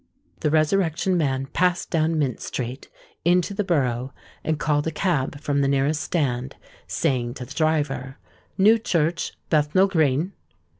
The Resurrection Man passed down Mint Street, into the Borough, and called a cab from the nearest stand, saying to the driver, "New Church, Bethnal Green."